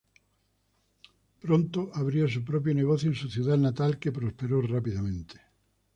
Pronto abrió su propio negocio en su ciudad natal, que prosperó rápidamente.